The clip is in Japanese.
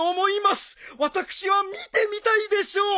私は見てみたいでしょう。